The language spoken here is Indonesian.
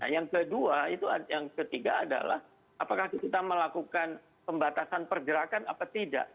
yang kedua itu yang ketiga adalah apakah kita melakukan pembatasan pergerakan apa tidak